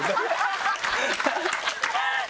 ハハハハ！